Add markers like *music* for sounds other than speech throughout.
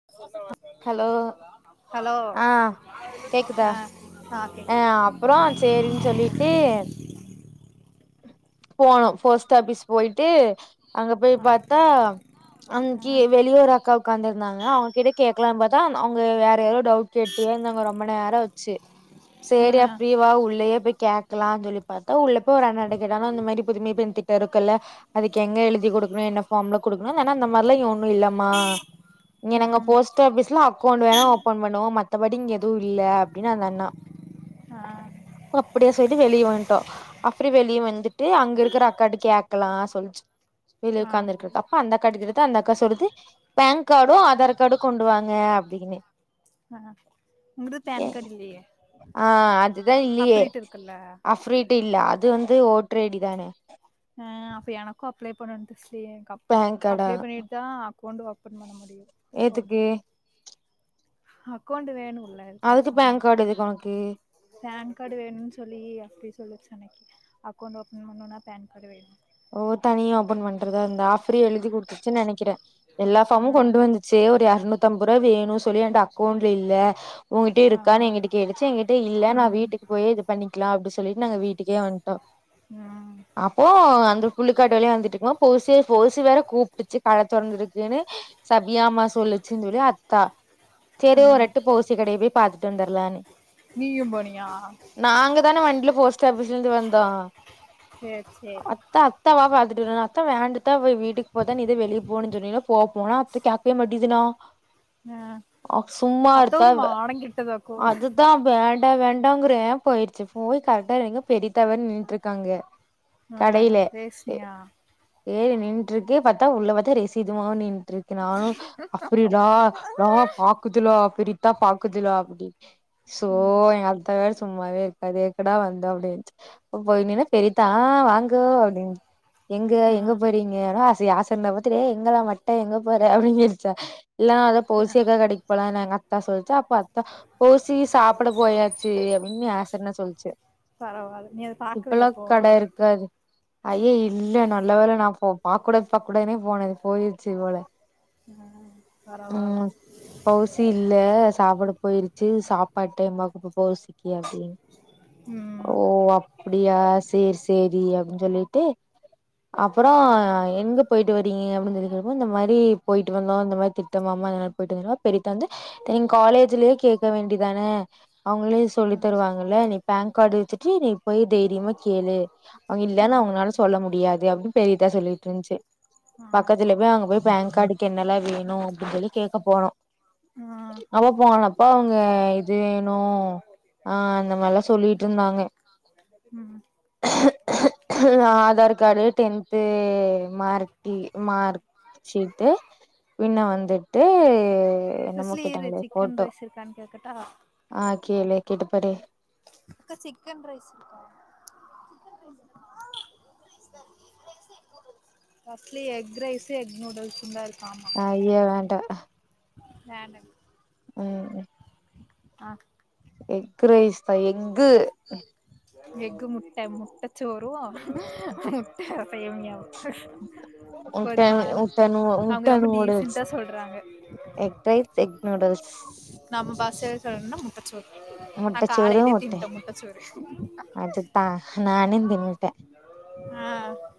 *inaudible* hello ஆஹ் கேக்குதா ஆஹ் அப்றோ சேரின் சொல்லி தே போனும் போஸ்ட் ஆபிஸ் போயிட்டு அங்க போய் பாத்தா அங்கே வெளிய ஒரு அ கா உக்கார்ந்து இருந்தாங்க அவுங்ககிட்ட கேட்கலா பாத்தா அவுங்க வேற யாரோ டவு கேட்டே இருந்தாங்க ரொம்ப நேரம் வச்சு சரியா பிரீவா உள்ளயே போய் கே க்கலா சொல்லி பாத்தா உள்ளப்போ ஒரு அண்ணாட்ட கேட்டாங்க இந்த மாரி புதுமை பெண் தி இருக்குல்ல அதுக்கு எங்க எழுதி குடுக்கணு என்ன பார்ம்ல குடுக்கணு அந்த அண்ணா அந்த மார்லா இல்லமா இங்க நாங்க போஸ்ட் ஆபிஸ்ல அ அக்கௌன்ட் வேணுனா ஓபன் பண்ணுவோ மத்தபடி இங்க எதுவு இல்ல அப்டினு அந்த அண்ணா அ அப்டியா சொல்டு வெளிய வன்டோ அஃப்ரி வெளிய வந்துட்டு அங்க இருக்கற அக்காட்ட கேட்கலா சொல்சு வெளி உட்காந்திருகறது அப்ப அந்த அக்காட்ட கேட்டது அந்த அக்கா சொல்லுது பேன் கார்டும் ஆதார் கார்டும் கொண்டு வாங்க அப்டினு அ உன்கு தா பேன் கார்டு இல்லியே ஆ அதுதா இல்லியே அஃப்ரிட்ட இல்ல அது வந்து ஓட்டர்ஐடி தானே ஆ அப்ப எனக்கு அப்ளே பண்ணனு திஸ்லி எனக் அப் அப்ளே பண்ணி தா அக்கௌண்ட் ஓப்பன் பண்ண முடியு எதுக்கு அக்கௌண்ட் வேண்ணும் இல்ல எதுக்காச்சியும் பேன் கார்டு வேண்ணும்னு சொல்லி அப்படி சொல்லுச்சி அன்னைக்கு அக்கௌண்ட் ஓபன் பண்ணனும்னா பேன் கார்டு வேணும் ஓ தனியா ஓப்பன் பண்றதா இருந்தா ஆஃப்ரி எழுதி குடுத்துருச்சின்னு நினைக்கிறேன் எல்லா ஃபார்மும் கொண்டு வந்துச்சு ஒரு எறநூத்துஅம்பருபா வேணு சொல்லி எண்ட அக்கௌண்ட்ல இல்ல உகிட்ட இருக்கான்னு எங்கிட்ட கேட்டுச்சு எங்கிட்ட இல்ல நா வீட்டுக்கு போயி இதுப் பண்ணிக்லா அப்டி சொல்லிட் நாங்க வீட்டுக்கே வன்டோ உம் அப்போ அந்த புள்ளுக்காட்டு வழியா வந்துட்டு இருக்குமோ பொசே போசு வேற கூப்டுச்சு கட தொறந்துருக்குன்னு சத்யா மா சொல்லுச்சுன் சொல்லி அத்தா சரி ஒரு எட்டு பௌசி கடைய போய் பாத்துட்டு வந்துரலான்னு நாங்க தான வண்டில போஸ்ட் ஆஃபிஸ்லந்து வந்தோ சேர் சேரி த்த அத்தாவ பாத்துட்டுவரேன் அத்த வேண்டாத்த வீட்டுக்கு போத்த நீதான் வெளிய போன்னு சொன்னீங்க போ போனா கேக்கவே மாட்டேதுண்ணா ஆ சும்மாருத்த அது தா வேண்டா வேண்டாங்குறே போயிச்சி போய் கரெக்டா எங்க பெரித்தா வேற நின்ட்டு இருக்காங்க ஆ பேஸ்னியா ஏ நின்ட்டுருக்கு பாத்தா உள்ள பாத்தா ரேசிதுமாம நின்ட்டுருக் நானும அப்பிராத ரா பாக்குதுலா பெரித்தா பாக்குதுல அப்டின் சோ எங் அத்த வேற சும்மாவே இருக்காது எதுக்குடா வந்த அப்டின் போய் நின்னா பெரித்தா ஆ வாங்கோ அப்டின் எங்க எங்க போயிறீங்க ஆச யாசர்னா பாத்து ஏய் எங்கலா மட்ட எங்க போற அப்டின்னுச்சா இல்ல நா அதா பௌசியக்கா கடைக்கு போலாம்ன்னு எங்க அத்தா சொல்லிச்ச அப்போ அத்த பௌஸி சாப்ட போயாச்சி அப்டின்னு யாசர்னா சொல்ச்சி பரவால்ல நீ அத பாக்கலையா அப்போ *unintelligible* அய்ய இல்ல நல்ல வேல நா போ பாக்க கூடாது பாக்க கூடாதுனே போனே போயிருச்சி போல ஆ பரவால பௌசி இல்ல சாப்புட போயிருச்சி சாப்பாட்டு டைம் ஆக்கும் ப்ப பௌவ்சிக்கு அப்டின் ம் ஓ அப்டியா சேர் சேரி அப்டின் சொல்லிட்டு அப்புறோ எங்க போயிட்டு வரீங்க அப்டின்னு சொல்லிக்கிறப்போ இந்த மாரி போயிட்டு வந்தோம் இந்த மாரி திட்டம்மாமா போயிட்டு வந்து பெரித்தா வந்து நீ காலேஜ்லயே கேக்க வேண்டிதானே அவுங்களே சொல்லி தருவாங்கல்ல நீ பேன் கார்டு வச்சிட்டு நீ போய் தைரியமா கேளு அவிய்ங் வேனா உங்களேன் சொல்ல முடியாது அப்டின்னு பெரியத்த சொல்லிட்டுருச்சி பக்கத்துல போய் அங்க போய் பேன் கார்டுக்கு என்னல்லா வேணும் அப்டின்னு சொல்லி கேக்க போறோ அப்ப போனப்ப அவுங்க இது வேணு ஆ அந்த மாரிலா சொல்லிட்டுருந்தாங்க ம்ஹும் *unintelligible* ஆதார் கார்டு டென்த்து மார்டி மார்க் சீட்டு பின்ன வந்துட்டு சுஸ்லி இரு சிக்கன் ரைஸ் இருக்கான்னு கேக்கட்டா ஆ கேளு கேட்டு பாரு அக்கா சிக்கன் ரைஸ் இருக்க தஸ்லி எக் ரைஸ் எக் நூடுல்ஸுன்தா இருக்காமா அய்யோ வேண்டா வேண்டாங்க ம் ம் ஆ எக்ரைஸ் தா எக்கு எக்கு முட்ட முட்ட சோரு முட்டசேமியாவு போதுமா அவுங்க ரொம்ப டீசன்டா சொல்றாங்க எக் ரைஸ் எக் நூடுல்ஸ் நம்ம பாசைல சொல்லனுனா முட்டைச்சோறு நா காலைலயே தின்ட்டே முட்டைச்சோறு அது தா நானு தின்னுட்டே ஆ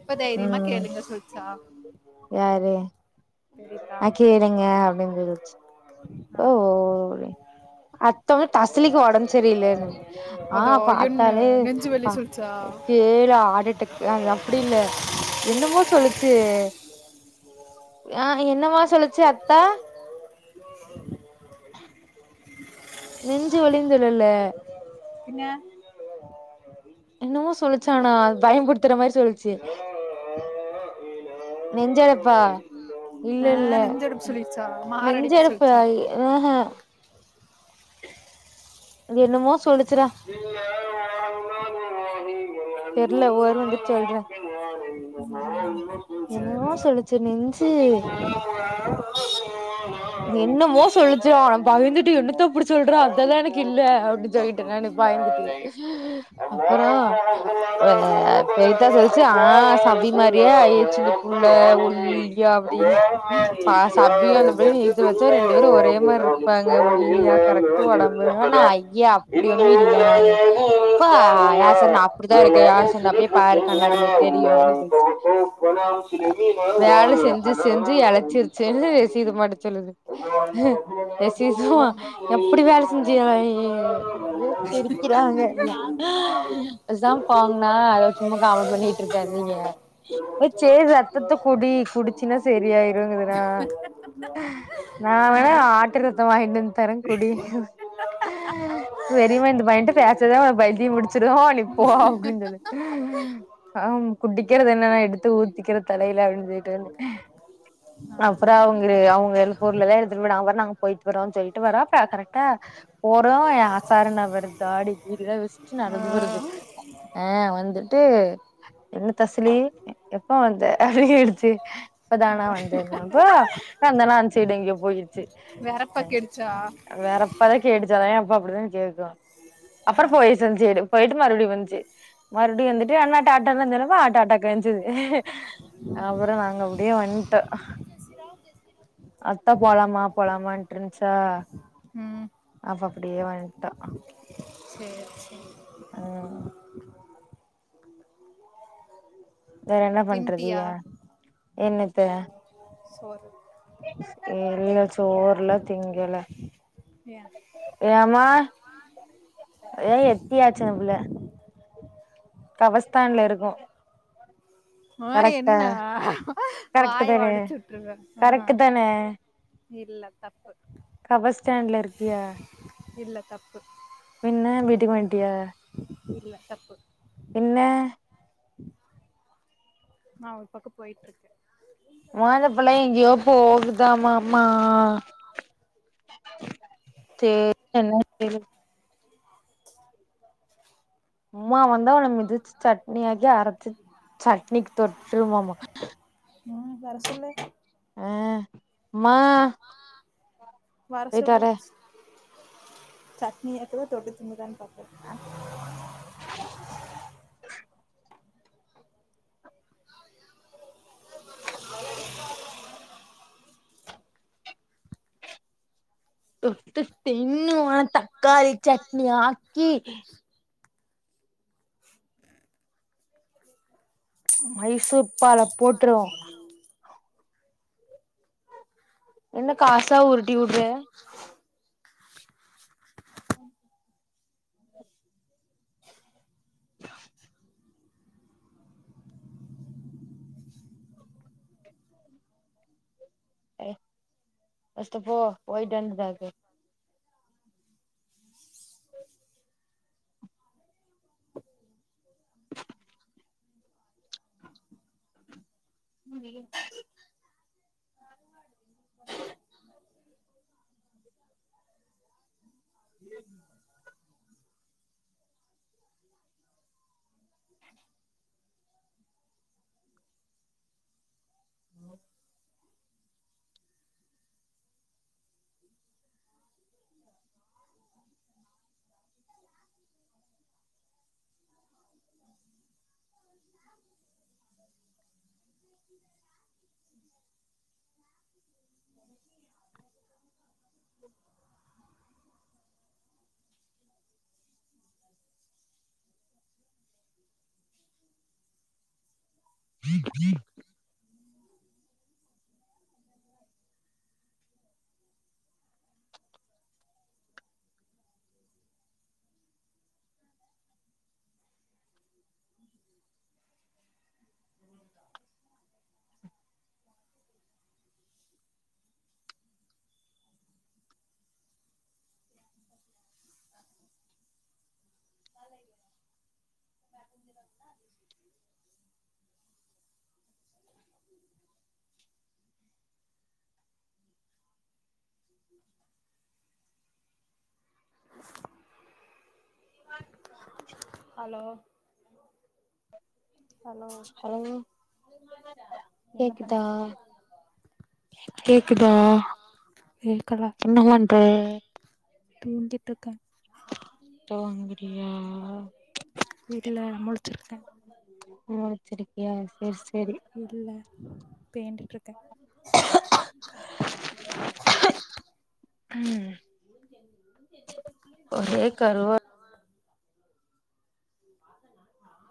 இப்ப தைரியமா கேளுங்க சொல்ச்ச யாரு ஆ கேளுங்க அப்டின் சொல்லுச்சு ஆ அத்தவ்ங்க தசலிக்கு உடம் செரிலேனு ஆ பாத்தாலே பா கேள ஆடட்ட அது அப்டி இல்ல என்னமோ சொல்லுச்சு ஆ என்னமா சொல்லுச்சு அத்த நெஞ்சு வலின் சொல்லல பின்ன என்னமோ சொல்ச்சு ஆனா பயோபுடுத்துறமாரி சொல்லுச்சு நெஞ்சடப்பா இல்ல இல்ல நெஞ்சடப்பு சொல்லிடுச்சா மார் அடைப்பு சொல்ச்சா அஹா அனு என்னமோ சொல்லுச்சுரா ம் அது என்னமோ சொல்லுச்சுரா நா பயந்துட்டு என்னத்த அப்டி சொல்றா அதல்லா எனக்கு இல்ல அப்டின் சொல்லிட்ட நானு பயந்துட்டு அப்பறோ அ பெரித்தா சொல்ச்சு ஆ சபி மாரியே ஆயிச்சு இந்த புள்ள ஒல்லியா அப்டினு அ சபியு அந்த பையனு சேத்து வச்சா ரெண்டு பேரும் ஒரே மாரி இருப்பாங்க ஒல்லியா கரெக்ட்டு ஒடம்பு ஐயா அப்டி ஒண்ணும் இல்ல நானு இப்ப ஆ யார் சொன்னா அப்படிதா இருக்கே யார் சொன்னா போய் பாரு கண்ணாடில தெரியு அப்படின் சொல்லி வேல செஞ்சு செஞ்சு எளச்சிருச்சுன்னு சீது மாட்ட சொல்லுது எஸ் சி சோ எப்டி வேல செஞ்சியோ சிரிக்கிறாங்க இல்ல எக்ஸாம் போங்கனா அத சும்மா காமெடி பண்ணிட்டு இருக்காதீங்க அ வெரிமா இந்த பையன்ட்ட பேசாதா உனக்கு பைத்தியம் புடிச்சிரும் நீ போ அப்படின் சொல்லு ஆம் குட்டிக்கிறது என்னன்னா எடுத் த்து ஊத்தக்கிற தலைையில அப்டினு சொல்டு வந்தே அ அப்புறம் அவுங்க அவுங்க எல் பொருள் எல்லா எடுத்துட்டு போயிட்டு அவுங்க வர்ர நாங்க போயிட்டு வரோம் சொல்ட்டு வரோம் கரெக்டா போறோம் ஆசாரன வருது ஆடி கீழதாம் வச்சிட்டு நடந்து வருது ஆ வந்துட்டு என்ன தசலி எப்போ வந்த அப்டி கேட்டுச்சு இப்பதான வந்தேனப்பா அந்தென்ன நெனச்சுகிட்டே எங்கயோ போயிடுச்சு கேட்டுச்சா இப்பதா கேட்டுச்சு அதான் ஏன் எப்ப அப்படிதா கேக்கும் அப்புறம் போயி செஞ்சு போயிட்டு மறுபடியும் வந்துச்சு மறுபடி வந்துட்டு அண்ணா டாட்டா இருந்தா சொல்லவா ஆ டாட்டா கு அப்புறம் நாங்க அப்டியே வந்ட்டோம் அத்த போலாம போலாமான்ட் இருந்துச்சா அப்ப அப்டியே வந்ட்டோ சேர் சேரி உம் வேற என்ன பண்றதிய என்னத்த சோறு இல்ல சோறுலா திங்கல ஏன் ஏமா ஏன் எத்தியாச்சு அந்த புள்ள கவஸ்தான்ல இருக்கு ஆ என்ன வாய ஒடச்சுட்டுருவே ஆ இல்ல தப்பு இல்ல தப்பு பின்ன வீட்டுக் வண்ட்டியா இல்ல தப்பு பின்ன நா ஒரு பக்க போய்ட்டு இருக்கே மா இந்த புள்ள எங்கியோ போகுதாமா மா சே என்ன *inaudible* ம்மா வந்த ஒன்ன மி திச் சட்னியாக்கி அரச்சு சட்னிக்கு தொட்டருமாமா ம் வர சொல்லு அ மா வர சொல்லு சட்னி அக்குதா தொட்டு திங்கிதா பாப்போ தொட்டு தின்னுவா தக்காளி சட்னி ஆக்கி மைசூர் பால போட்ருவோ என்ன காச காசா *inaudible* எ ஃபஸ்ட் போ போய்ட்டுவ *unintelligible* ம் வெளிய *inaudible* தலை *inaudible* *inaudible* ஹலோ ஹலோ என்ன பண்ற கேக்கல கேக்கல என்ன பண்றே தூங்கிட்ருக்க தூங்கிட்டியா இல்ல நா முழச்சிருக்கே முழிச்சிருக்கியா சேரி சேரி இல்ல பேன்டுட்ருக்கே ம் ஒரே கருவா பாத்தா